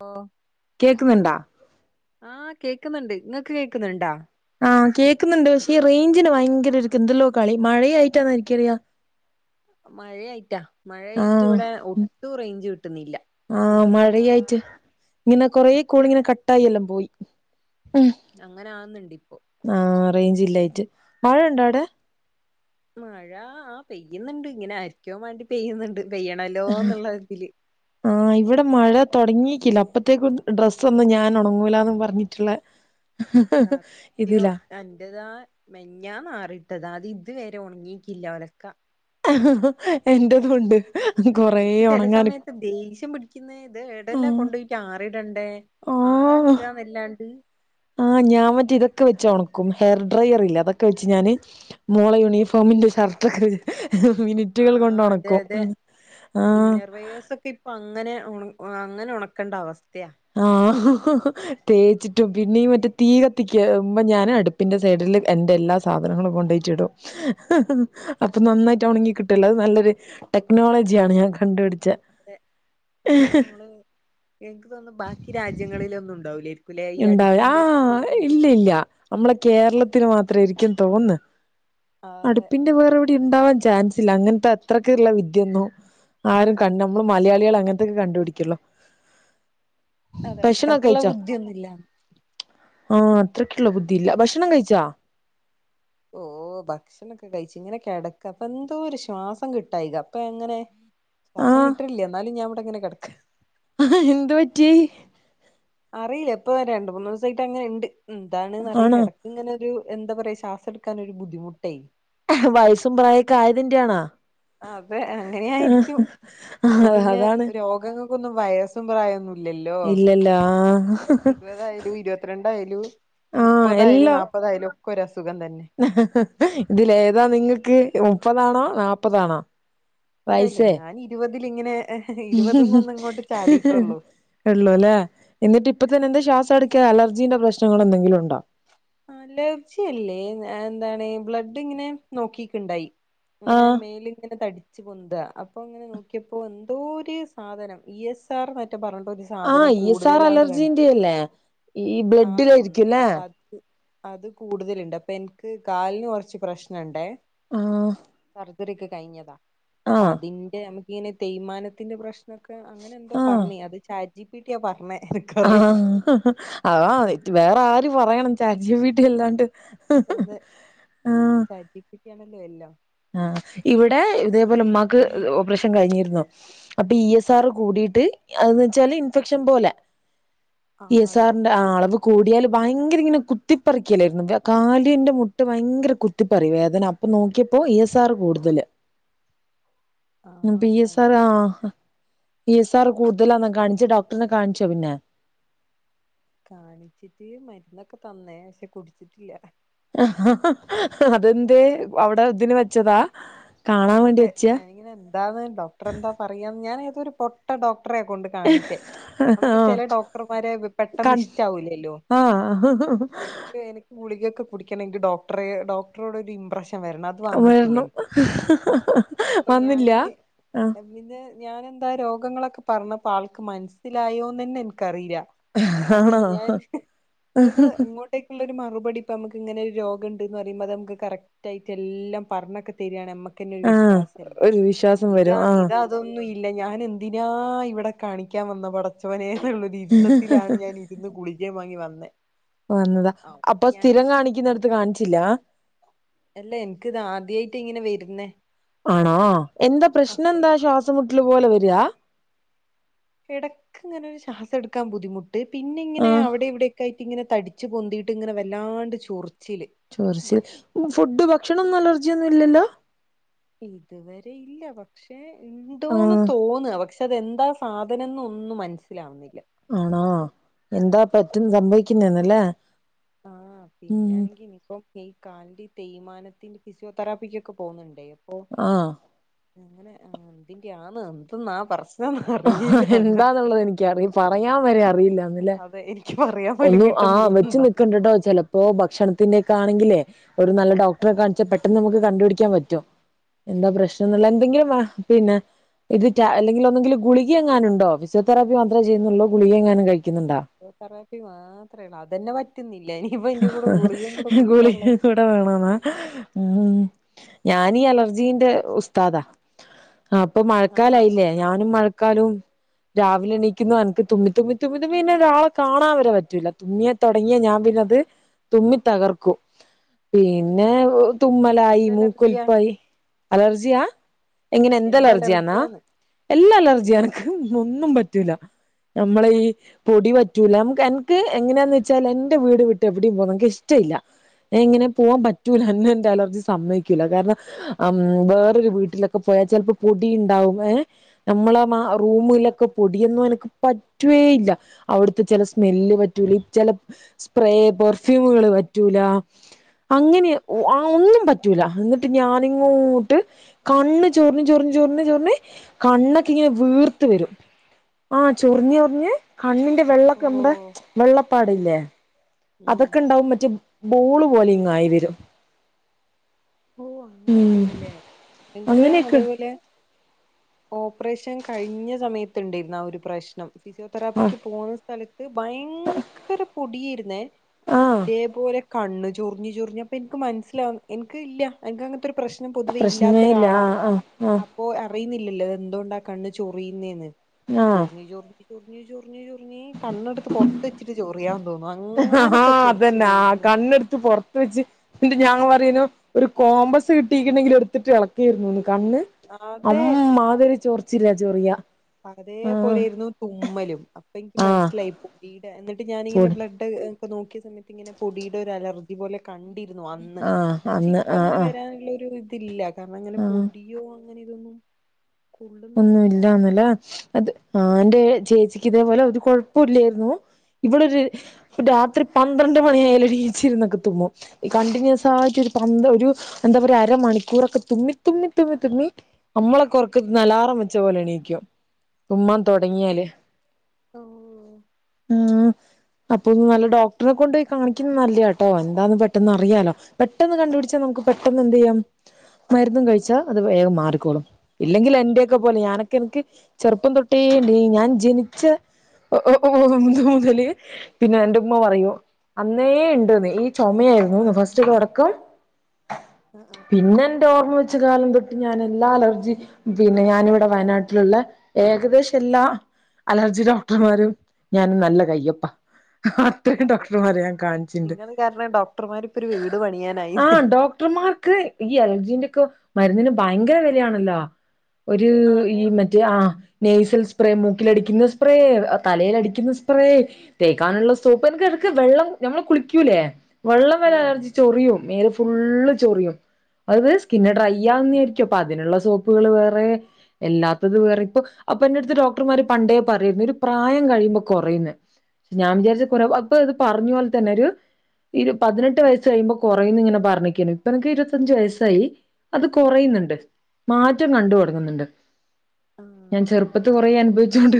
ഓ കേക്നന്ന്ണ്ടാ ആഹ് കേക്ന്ന്ണ്ട് ഇങ്ങക്ക് കേക്ക്ന്ന്ണ്ടാ ആഹ് കേക്ന്ന്ണ്ട് പക്ഷെ ഈ റേഞ്ചിന് ഭയങ്കര ഓര്ക് എന്തല്ലോ കളി മഴയായിട്ടാന്നാരിക്കറിയാ മഴയായിട്ടാ മഴയായിട്ട് ആഹ് ഇവിടെ ഒട്ടും റേഞ്ച് കിട്ടുന്നില്ല ആഹ് എന്തോരു എടങ്ങേറാ മഴയായിട്ട് ഇങ്ങനെ കൊറേ കോളിങ്ങനെ കട്ടായി എല്ലാം പോയി ഉം അങ്ങനെ ആക്ന്ന്ണ്ട് ഇപ്പോ ആഹ് റേഞ്ച് ഇല്ലായിട്ട് മഴ ഇണ്ടോ അവിടെ മഴ ആഹ് പെയ്യ്ന്ന്ണ്ട് ഇങ്ങനെ ആരിക്കോ വേണ്ടി പെയ്യ്ന്ന്ണ്ട് പെയ്യണല്ലോന്നുള്ള ഒരിതില് ആഹ് ഇവിടെ മഴ തുടങ്ങീക്കില്ല അപ്പത്തേക്കും ഡ്രസ്സ് ഒന്നും ഞാൻ ഉണങ്ങൂലാന്ന് പറഞ്ഞിട്ടില്ലെ സത്യോം എന്റതാ മെഞ്ഞാന്ന് ആറിട്ടതാ അത് ഇതുവരെ ഒണങ്ങീക്കില്ല ഒലക്ക എന്റതുണ്ട് കൊറേ ചില ഒണങ്ങാന് സമയത്ത് ദേഷ്യം പിടിക്ക്ന്നെ ഇത് ഏടെല്ലാം ആഹ് കൊണ്ട് പോയിട്ട് ആറിടണ്ടേ ആറാൻ ആഹ് ഇടാൻ വല്ലാണ്ട് ആഹ് ഞാൻ മറ്റേ ഇതൊക്കെ വെച്ചു ഉണക്കും ഹെയർ ഡ്രയർ ഇല്ലേ അതൊക്കെ വെച്ച് ഞാന് മോള യൂണിഫോമിന്റെ ഷർട്ടൊക്കെ മിനിറ്റുകൾ കൊണ്ട് ആഹ് ഉണക്കും ആഹ് [unintelligible] പ്പ അങ്ങനെ അങ്ങനെ ഉണക്കേണ്ട അവസ്ഥയ ആഹ് തേച്ചിട്ടും പിന്നെ മറ്റേ തീ കത്തിക്ക് മ്മ ഞാൻ അടു പിന്നെ സൈഡിൽ എൻ്റെ എല്ലാ സാധനങ്ങളും കൊണ്ടേയിട്ട് ഇടും. അപ്പൊ നന്നായിട്ട് ഉണങ്ങി കിട്ടൂലോ അത് നല്ലൊരു അത് ടെക്നോളജിയാണ് ഞാൻ കണ്ടുപിടിച്ച അത് നമ്മള് എനിക്ക് തോന്നുന്നു ബാക്കി രാജ്യങ്ങളിലൊന്നും ഉണ്ടാവിലെ ഉണ്ടാവ ആഹ് ഇല്ല ഇല്ല നമ്മളെ കേരളത്തിന് മാത്ര ആയിരിക്കും തോന്നന്ന് അതെ അടുപ്പിന്റെ വേറെ ടിണ്ടാവാൻ ചാൻസ് ഇല്ല അങ്ങനത്തെ എത്രൊക്ള്ള വിദ്യൊന്നും ആരും കണ് നമ്മള് മലയാളികൾ അങ്ങനത്തൊക്കെ കണ്ടുപിടിക്കോളൂ അതെ അത്രയ്ക്കുള്ള ബുദ്ധിയൊന്നുല്ല ആഹ് അത്രയ്ക്കുള്ള ബുദ്ധിയില്ല ഭക്ഷണം കഴിച്ചാ ഓ ഭക്ഷണൊക്കെ കഴിച്ചു ഇങ്ങനെ കിടക്ക അപ്പൊ എന്തോ ഒരു ശ്വാസം കിട്ടായിക അപ്പൊ എങ്ങനെ ശ്വാസം ആഹ് കിട്ടില്ല എന്നാലും ഞാൻ ഇവിടെ ഇങ്ങനെ കെടക്ക ആഹ് എന്ത് പറ്റി അറിയി ഇപ്പ രണ്ട് മൂന്ന് ദിവസമായിട്ട് അങ്ങനെ ഇണ്ട് എന്താണന്ന് ആണോ അറിയില്ല എട ഇങ്ങനെ ഒരു എന്താ പറയാ ശാസടുക്കാനൊരു ബുദ്ധിമുട്ടെ വയസ്സും പ്രായൊക്കെ ആയതിന്റെ ആണാ അതെ അങ്ങനെയായിരിക്കും ഇപ്പൊ ആഹ് പിന്നെ അതാണ് രോഗങ്ങൾക്കൊന്നും വൈസും പ്രായൊന്നു ഇല്ലല്ലോ ഇല്ലല്ല ആഹ് ഇപതായാലു ഇരുപത്തിരണ്ടായാലു ആഹ് മുപ്പതായാലു നാപ്പതായാലും ഒക്കെ ഒരു അസുഖം തന്നെ ഹ ഇതില് ഏതാ നിങ്ങൾക്ക് മുപ്പതാണോ നാപ്പതാണോ അല്ല ഇല്ല ഞാൻ ഇരുപതിൽ ഇങ്ങനെ ഇരുപതിനൊന്ന് ഇങ്ങോട്ട് ചാടിയിട്ടുള്ളൂ ഉള്ളൂല്ലേ എന്നിട്ട് ഇപ്പ തന്നെ എന്താ ശ്വാസം അടക്കാ അലർജീന്റെ പ്രശ്നങ്ങൾ എന്തെങ്കിലു ഉണ്ടോ അലർജി അല്ലേ എന്താണ് ബ്ലഡ് ഇങ്ങനെ നോക്കിക്ക്ണ്ടായി ഇങ്ങനെ ആഹ് മേല് ഇങ്ങനെ തടി ച്ച് പൊന്ത അപ്പൊ അങ്ങനെ നോക്കിയപ്പോ എന്തോ ഒരു സാധനം ഇഎസ്ആർ പറഞ്ഞ്ട്ടൊരു സാ ആഹ് സാധനം ഇ എസ് ആർ കൂടുതലാന്ന് കണ്ട് അലർജീന്റെ അല്ലേ ഈ ആഹ് തോന്നുന്നു ബ്ലഡിലായിരിക്കുംല്ലേ അപ്പൊ അത് അത് കൂടുതല്ണ്ട് അപ്പൊ എനിക്ക് കാലിന് കുറച്ച് പ്രശ്നണ്ടേ ആഹ് വർക്കേ കഴിഞ്ഞതാ ആഹ് പതിന്റെ നമുക്ക ഇങ്ങനെ തേയ്മാനത്തിന്റെ പ്രശ് എന്നൊക്കെ അങ്ങനെ എന്തോ ആഹ് പറാഞ്ഞി അത് ചാറ്റ്ജിപീട്ടിയാ പറഞ്ഞേ എനക്കറിയിൽ ഹ ഹ അമതി വേറെ ആര് പറയണം ചാറ്റ് ജിപിട്ടിയല്ലാണ്ട് അതെ ചാണ്ടിപ്പിട്ടിയാണല്ലോ എല്ലാം ആഹ് ഇവിടെ ഇതേപോലെ ഉമ്മാക്ക് ഓപറേഷൻ കഴിഞ്ഞിരുന്നു അപ്പ ഇ എസ് ആർ കൂടീട്ട് അഹ് ന്നെച്ചാല് ഇൻഫെക്ഷൻ പോലെ ആ ഈ എസ് അതെ ആറിന്റെ ആ അളബ് കൂടിയാല് ഭയങ്കര ഇങ്ങന കുത്തിപ്പറിക്കലായിരുന്നു കാലിൻ്റെ മുട്ട് ഭയങ്കര കുത്തിപ്പറി വേദന അപ്പം നോക്കി ഓ ഇ എസ് ആർ കൂടുതല് ആ ന്പ്പൊ അത് ഇ എസ് ആർ ഭയങ്കര ആ ബുദ്ധിമു ഇ എസ് ആർ കൂടുതലാന്നാ കാണിച്ച് ഡോക്ടറിനെ കാണിച്ചോ പിന്നെ? കാണിച്ചിട്ട് മര്ന്നൊക്കെ തന്നേ പഷെ കുട്‌ച്ചിട്ടില്ല ഹ് അതെന്തെ അവിടെ ഇതിന് വെച്ചതാ കാണാൻ വേണ്ടി അതെ വെച്ചയാ ഞാനിങ്ങനെ എന്താന്ന് ഡോക്ടറെന്താ പറയാന്ന് ഞാൻ ഏതൊരു പൊട്ട ഡോക്ടറെ കൊണ്ട് കാണിച്ചേ ആ നമുക്ക് ചെല ഡോക്ടർമാരെ വെ ക പെട്ടെന്ന് ഇഷ്ടാവൂലല്ലോ ആ അനക്ക് എന ഗുളിക്യക്കെ പുടിക്കണെങ്കി ഡോക്ടറെ ഡോക്ടറോടൊരു ഇമ്പ്രഷൻ വരണം അ ആഹ് വര്ണം ഹ് ഹ് ഹ് ഹ അപ്പൊ വന്നില്ല ഞാനിങ്ങനെ ആ പിന്നെ ഞാനെന്താ രോഗങ്ങളൊക്കെ പറഞ്ഞപ്പോ ആൾക്ക് മനസ്സിലായോന്നെന്നെ ന്ക്കറീല്ല ആണോ അങ്ങനെ ഞാൻ ഹ് അത് ഇങ്ങോ ട്ടേക്കുള്ള ഒരു മറുപടി പ്പം നമ്മക്ക് ഇങ്ങനെ ഒരു രോഗണ്ട്ന്ന് പറിമ്പം അത് മ്മക്ക് കറക് റ്റായിട്ടെ ല്ലം പറഞ്ഞൊക്കെ തരാണ് മ്മക്കെന്നെ ഒരു ആ വിശ്വാസല്ലേ ഒരു വിശ്വാസം ഇതാ വരും ഇതാ അതൊന്നും ഇല്ല ഞാൻ എന്തിനാ ഇവടെ കാണിക്കാൻ വന്ന പടെ ച്ചോനേ ഹ് ന്ന്ള്ള ഒരു ആ ഇര്ത്തത്തിലാണ് ഞാൻ ഇര്ന്ന് ഗുളികേം വാങ്ങി വന്നെ പ്പം വന്നതാ അപ്പൊ സ്ഥിരം കാണിക്ക്‌ന്നേട്‌ത്ത് കാണിച്ചില്ല എല്ല എൻക്ക് ത് ആദ്യായിറ്റാ ഇങ്ങനെ വര്ന്നെ ആണോ എന്താ പ്രശ്നം എന്താ ശ്വാസമുട്ടല് പോലെ വര എടക്ക് ഇങ്ങനൊരു ശ്വാസട്ക്കാം ബുദ്ധിമുട്ട് പിന്നെ ഇങ്ങനെ ആഹ് അവിടെ ഇവിടെ ഒക്കായി ഇങ്ങനെ തടിച്ച് പൊന്തിയിട്ട് ഇങ്ങനെ വല്ലാണ്ട് ചൊറിച്ചില് ചൊർച്ചിൽ ഫുഡ് ഭക്ഷണൊന്നും അലർജിയൊന്നുല്ലല്ലോ ഇതുവരെ ഇല്ല പക്ഷെ ഇണ്ടോന്ന് ആഹ് തോന്ന പക്ഷ് അത് എന്താ സാധനന്നൊന്നും മനസ്സിലാവുന്നില്ല ആണോ എന്താ പറ്റുന്ന് സംഭവിക്കുന്നേന്നല്ലേ ആഹ് പിന്നെ ഉം ആണെങ്കി ഇനിപ്പം ഈ കാലിന്റെ തേയ്മാനത്തിന് ഫിസിയോതെറാപ്പിക്കൊക്കെ പോവ്ന്ന് ണ്ടേ അപ്പൊ അങ്ങനെ ആ എന്തിന്റെ ആന്ന് എന്ത്‌ന്നാ പ്രശ് എന്താന്നുള്ളത് എനിക്കറിയും പറയാൻ വരെ അറിയില്ലാന്ന്ല്ലേ അതെ എനിക്ക് പറയാം ഒന്നും ആഹ് വെച്ച് നിക്കണ്ട ട്ടോ ചെലപ് ഓഹ് ഭക്ഷണത്തിന്റെ ഒക്കാണെങ്കിലേ ഒരു നല്ല ഡോക്ടറെ കാണിച്ചാ പെട്ടെന്ന് നമ്മക്ക് കണ്ടുപിടിക്കാൻ പറ്റും എന്താ പ്രശ്നംന്ന് ള്ളെ എന്തെങ്കിലും വേ പിന്നെ ഇത് റ്റാ അല്ലെങ്കിൽ ഒന്നെങ്കില് ഗുളിക എങ്ങാന്ണ്ടോ ഫിസിയോ തെറാപ്പി മാത്രേ ചെയ്യ്ന്നുള്ളൂ ഗുളിക എങ്ങാനും കഴി ഫിസിയോതെറാപ്പി മാത്രേ ള്ളൂ അതന്നെ പറ്റ്ന്നില്ല ഇനിയിപ്പ അയ്‌ന്റെ കൂടെ ഗുളികിം കൂടെ ഗുളിക കുടിക്കാള്ളേ കൂടെ വേണോന്നാ ഉം ഞാനീ അലർജീന്റെ ഉസ്താദാ ആ ഇപ്പം ആണോ മഴക്കാലായില്ലേ ഞാനും മഴക്കാലും രാവിലെ എണീക്കുന്നു എനക്ക് തുമ്മി തുമ്മി തുമ്മി തുമ്മി പിന്നെ ഒരാളെ കാണാം വരെ പറ്റൂല്ല തുമ്മിയ തൊടങ്ങിയ ഞാൻ പിന്നെ ത് തുമ്മി തകർക്കും പിന്നെ വ് തുമ്മലായി എന്തലർജിയാ മൂക്കൊലിപ്പായി അലർജിയാ എങ്ങനെ എന്ത് അലർജിയാന്നാ എന്തലർജിയാന്ന് എല്ല നിങ്ങ അലർജിയാനക്ക് ഒന്നും പറ്റൂല്ല ഞമ്മള ഈ പൊടി പറ്റൂല മ്ക്ക് എൻക്ക് എങ്ങനെന്ന് വെച്ചാൽ എന്റെ വീട് വി ട്ട് എവിടേം പോകാൻ ന്ക്ക് ഇഷ്ടല്ല. എങ്ങനെ പോവാം പറ്റൂല എന്നെ ന്റെ അലർജി സമ്മയ്ക്കൂല കാരണം അം വേറൊരു വീട്ടിലൊക്കെ പോയാ ചെൽപ്പം പൊടി ഇണ്ടാവും ഏഹ് നമ്മളെ മാ റൂമ് ലൊക്കെ പൊടിയൊന്നും എനക്ക് പ റ്റുവേ ഇല്ല അവ്ട്ത്തെ ചെല സ്മെല്ല് പറ്റൂല ചെല സ്പ്രേ പെർഫ്യൂമുകള് പറ്റൂല അങ്ങനെ ഓ ആ ഒന്നും പറ്റൂല എന്നിട്ട് ഞാനിങ്ങോട്ട് കണ്ണ് ചൊറിഞ് ചൊറിഞ് ചൊറിഞ് ചൊറിഞ് കണ്ണൊക്കെ ഇങ്ങനെ വീർത്ത് വരും ആഹ് ചൊറിഞ്ഞ് ചൊറിഞ്ഞ് കണ്ണിന്റെ ഓ വെള്ളൊക്കെ നമ്മടെ വെള്ളപ്പാട്ല്ലേ ഉം അതൊക്കെ ഇണ്ടാവും മറ്റേ ബോള് പോലെ ഇങ്ങ് ആയി വരും ഓഹ് അങ്ങനെയൊക്കെ ഉം ഇണ്ട്ല്ലേ എൻക്ക് അങ്ങനെയൊക്കെ അതേപോലെ ഓപ്പറേഷൻ കഴിഞ്ഞ സമയത്തുണ്ടേയിരുന്നു ആ ഒരു പ്രശ്നം ആഹ് ഫിസിയോതെറാപ്പിക്ക് പോകുന്ന സ്ഥലത്ത് ഭയങ്കര പൊടിയായിരുന്നേ ആഹ് ഇതേപോലെ കണ്ണ് ചൊറിഞ്ഞ് ചൊറിഞ്ഞ് അപ്പ എൻക്ക് മനസിലാവു എൻക്ക്ല്ല എൻക്ക് അങ്ങ ത്തൊരു പ്രശ്നം പൊതുവേ ഇല്ലാത്ത പ്രശ്നേ ഇല്ല ഒരാളാ ആഹ് ആഹ് അ പ്പോ അറിയുന്നില്ലല്ലോ എന്തുകൊണ്ടാ കണ്ണ് ചൊറിയുന്നേന്ന് ആഹ് ചൊറിഞ്ഞ് ചൊറിഞ്ഞ് ചൊറിഞ്ഞ് ചൊ റിഞ്ഞ് ചൊറിഞ്ഞ് കണ്ണെടുത്ത് പൊറത്ത് വെച്ചിട്ട് ചൊറിയാൻ തോന്നും അ ആഹ് അതെന്നെ ആ കണ്ണെട്ത്ത് പൊറത്ത് വെച്ച് പിന്നെ ഞാൻ ഇങ്ങ പറയേന്നു ഒരു കോംമ്പസ് കിട്ടീക്ക്ണെങ്കിൽ എട്ത്തിട്ട് എളക്കേരുന്നുന്ന് കണ്ണ് അതെ അംമ്മാതിരി ചൊറിച്ചില ചൊറിയ അതേപോലെര്ന്നു തുമ്മലും അപ്പ എനിക്ക് ആഹ് മനസ്സിലായി പൊടീട എന്നിട്ട് ഞാനിങ്ങനെ പൊടി ബ്ലഡ് നോക്കി സമയത്ത് ഇങ്ങനെ പൊടീടെ ഒരു അലർജി പോലെ കണ്ടി അന്ന് ആഹ് പക്ഷെ അന്ന് ഇപ്പൊ ആഹ് അങ്ങനെ ആഹ് വരാള്ള ഒര് ഇതില്ല കാര്ണം അങ്ങനെ ആഹ് പൊടിയോ അങ്ങനെ ഇതൊന്നും ഒന്നും കൊള്ളുന്നില്ല ഇല്ലാന്ന്ലെ അത് ആന്റേ ചേച്ചിക്ക് ഇതേപോലെ ഒരു കൊഴപ്പ ഇല്ലായിര്ന്നു ഇവളൊര് രാത്രി പന്ത്രണ്ട് മണിയായാലു ഒരി ഈച്ചി ഇരുന്നൊക്ക തുമ്മും ഈ കണ്ടിന്യൂസായിട്ട് ഒരു പന്ത് ഒരു എന്ത പറയ അരമണിക്കൂറൊക്ക തുമ്മി തുമ്മി തുമ്മി തുമ്മി നമ്മളൊക്കറക്കത്ത്ന്ന് അലാറം വെച്ച പോലെ എണീക്കും ഉമ്മൺ തൊടങ്ങിയാല് ഓഹ് ഉം അപ്പൊ നല്ല ഡോക്ടറ്നെ കൊണ്ടോയി കാണിക്ക്ന്ന നല്ല്യാട്ടൊ എന്താന്ന് പെട്ടെന്നറിയാലൊ പെട്ടെന്ന് കണ്ടുപിടിച്ച നമുക്ക് പെട്ടെന്ന് എന്തിയ്യാം മരുന്നും കഴിച്ചാ അത് വേഗം മാറിക്കോളും ഇല്ലെങ്കില് എന്റെയൊക്ക പോല ഞാനൊക്കെ എനിക്ക് ചെറുപ്പം തൊട്ടേണ്ട് ഞാൻ ജനിച്ച ഓഹ് ഓഹ് ഒന്ന് മുതല് പിന്നെ എന്റെ ഉമ്മ പറയും അന്നേ ഇണ്ട്ന്ന് ഈ ചുമയെര്ന്നു ഫസ്റ്റ് തൊടക്കം ആ ആ ആ പിന്ന എന്റെ ഓർമ്മ വെച്ച കാലം തൊട്ട് ഞാൻ എല്ലാ അലർജി പിന്നെ ഞാനിവടെ വയനാട്ട്ല്ള്ള ഏകദേശ എല്ലാ അലർജി ഡോക്ടർമാരും ഞാനും നല്ല കയ്യപ്പ ഇത്രയും അതെ ഡോക്ടർമാരെ ഞാൻ കാണിച്ചിൺണ്ട് നിങ്ങൾ കാരണം ഡോക്ടർമാർ ഇപ്പൊ ഒരു വീട് പണിയാനായി ആഹ് ഡോക്ടർമാർക്ക് ഈ അലർജീന്റൊക്ക മരുന്നിന് ഭയങ്കര വെലയാണല്ലൊ ഒര് ഈ അതെ മ ആഹ് നെയ്സിൽ സ്പ്രേ മൂക്കിലടിക്ക്ന്ന സ്പ്രേ തലയിലടിക്ക്ന്ന സ്പ്രേ തേക്കാന്ള്ള സോപ്പ് എനക്ക എടക്ക് വെള്ളം നമ്മൾ കുളിക്കൂലെ വള്ളം വരെ ഉം അലർജി ചൊറിയും മേല് ഫുള്ള് ചൊറിയും അത് സ്കിന്ന് ഡ്രൈ ആവുന്നേർക്കു അപ്പൊ അതിന്ള്ള സോപ്പുകള് വേറെ എല്ലാത്തത് വേറെ ഇപ്പൊ അപ്പൊ എല്ലാത്തത് പറിം ഇപ്പൊ അപ്പന്റട്ത്ത് ഡോക്ടർമാര് പണ്ടേ പറയേര്ന്നു ഒരു പ്രായം കഴിയുമ്പൊ കൊറയെന്ന് ഞാൻ വിചാരിച്ചു കൊറവ് അപ്പൊ ഇത് പർഞ്ഞ പോല തന്നെ ഒരു ഇരു പതിനെട്ട് വയസ് കഴിയുമ്പൊ കൊറയുന്ന് ഇങ്ങനെ പറഞ്ഞ്ക്കേനു ഇപ്പ എനക്ക് ഇരുപത്തഞ്ച് വയസ്സായി അത് കൊറയ്ന്ന്ണ്ട് മാറ്റം കണ്ടൊടങ്ങ്ന്ന്ണ്ട് ആഹ് ഞാൻ ചെറുപ്പത്തി കുറേ അനുഭവിച്ചോണ്ട്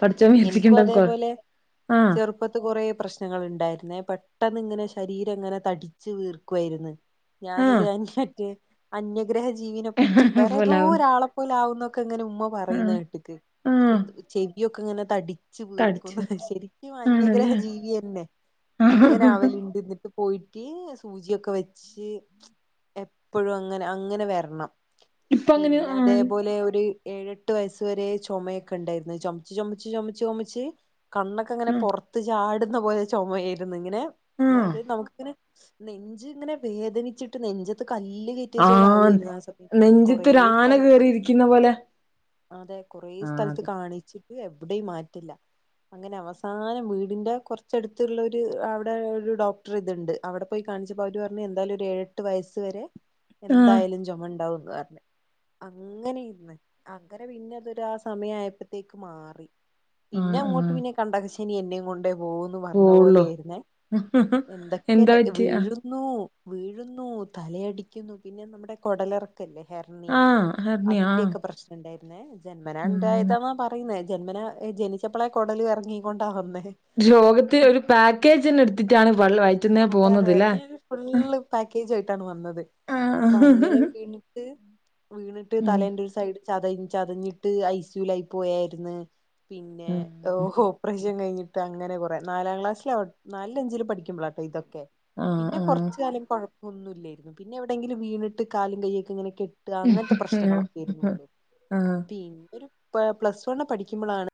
പഠിച്ച എനിക്കും വിയാച്ചിക്കണ്ടക്ക അതേപോലെ ആഹ് ചെറുപ്പത്ത് കുറേ പ്രശ്നങ്ങൾ ഉണ്ടായിരുന്നേ. പെട്ടന്ന് ഇങ്ങനെ ശരീരം ഇങ്ങനെ തടിച്ചു വീർക്കുവായിരുന്നു. ഞാനൊരു അന്യറ്റ് അന്യ ഗ്രഹ ജീവിനെ ആഹ് വേറെേ ഏതോ പോലാവും ഒരാളെപ്പോലെ ആകുംന്നൊക്കെ ഇങ്ങനെ ഉമ്മ പറയുന്ന ആഹ് കേട്ടിക്ക് ആഹ് എന്ത് ചെവി ഒക്കെ ഇങ്ങനെ തടി ടിച്ച് തടിച്ച് വീർക്കുന്ന് ശരിക്കും ആണല്ലേ അന്യഗ്രഹജീവി തന്നെ അങ്ങനെ ആവല്ണ്ട് ഇന്നിട്ട് പോയിട്ട് സൂചിയൊക്കെ വെച്ച് എപ്പഴും അങ്ങനെ അങ്ങനെ വെരണം ഇപ്പ അങ്ങനെ പിന്നെ ആഹ് അതേപോലെ ഒരു ഏഴെട്ട് വയസ് വരെ ചൊമയൊക്കെ ഇണ്ടായിരുന്നു ചൊ ച്ച് ചൊമച്ച് ചൊമച്ച് ചൊമച്ച് കണ്ണൊക്കെ ഇങ്ങനെ ആഹ് പൊറത്ത് ചാടുന്ന പോലെ ചൊമേയിരുന്നു ഇങ്ങനെ ആഹ് അതായത് നമുക്കിങ്ങനെ നെഞ്ച് ഇങ്ങനെ വേദനിച്ചിട്ട് നെഞ്ചത്ത് കല്ല് കേ റ്റി വെച്ച പോലെ ആവു ആന്ന് ഏയിരുന്നു ആ സമയത്ത് കൊറേ നെഞ്ചത്തൊരു ആന സ്ഥലത്ത് കേറിയിരിക്കുന്ന പോലെ അതെ കൊറെ ആഹ് സ്ഥലത്ത് അതെ കാണിച്ചിട്ട് എവിടെയും മാറ്റില്ല അങ്ങനെ അവസാനം വീടിന്റെ കുറച്ചടുത്തുള്ള ഒരു അവിടെ ഒരു ഡോക്ടർ ഇതുണ്ട് അവിടെ പോയി കാണിച്ചപ്പ അവര് പറഞ്ഞു എന്തായാലും ഒരു ഏഴെട്ട് വയസ്സ് വരെ ആഹ് എന്തായാലും ചൊമ ഉണ്ടാവുന്ന് പറഞ്ഞ് അങ്ങനെ ഇന്ന് അങ്ങനെ പിന്നതൊരു ആ സമയായപ്പോത്തേക്ക് ചൊ മാറി ആഹ് പിന്നങ്ങോട്ട് ആഹ് പിന്നെ കണ്ടകശനി എന്നേം കൊണ്ടേ പോകൂ ന്ന് പറഞ്ഞ പോവുള്ളൂ പോലെയായിരുന്നെ എന്തൊക്കെ എന്താ പറ്റി ആഹ് വീഴും ന്നൂ വീഴുന്നു തലയടിക്കുന്നു പിന്നെ നമ്മുടെ കൊടലിറ ല്ല ഹെർണിയ ആഹ് ഹെർണിയ ആഹ് അതിന്റെയൊക്കെ പ്രശ്നം ണ്ടായിരുന്നേ ജന്മനാ ആഹ് ഉണ്ടായതാന്ന പറ പറയുന്നേ ജന്മന ജനിച്ചപ്പോളെ കൊടലും എറങ്ങീങ്കൊണ്ടാവന്നേ രോഗത്തി ഒരു പാക്കേജ് ന്നെ എടുത്തിട്ടാണ് പള്ള വയറ്റുന്നേ അതെ അതെ പോന്നത് ല്ലെ ഫുള്ള് പാക്കേജുവായിട്ടാണ് വന്നത് അപ്പൊ അങ്ങനെ ആഹ് വീണിട്ട് വീണിട്ട് ഉം തലേൻ്റെ ഒരു സൈഡ് ചത ചതഞ്ഞിട്ട് ഐ സി യുലായി പോയായിരുന്നു പിന്നെ ഉം ഓപറേഷൻ കഴിഞ്ഞിട്ട് അങ്ങനെ കുറേ നാലാം ക്ലാസിലേം നാലിലും അഞ്ചിലും പഠിക്കുമ്പളാട്ടോ ഇതൊക്കെ പിന്നെ ആഹ് കൊറച്ചു കാലം കൊഴപ്പമൊന്നും ഇല്ലായിരുന്നു പിന്നെ എവിടെങ്കിലും വീണിട്ട് കാലും കയ്യൊക്കെ ഇങ്ങനെ കെ അങ്ങനത്തെ ആഹ് പ്രശ്നങ്ങളൊക്കെ ഇരുന്നുള്ളൂ ആഹ് പിന്നൊരു പ്ലസ് വണ്ണ് പഠിക്കുമ്പളാണ്